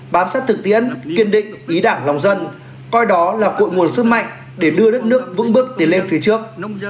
bám sát thực tiễn kiên định ý đảng lòng dân coi đó là cội nguồn sức mạnh để đưa đất nước vững bước tiến lên phía trước